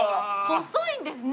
細いんですね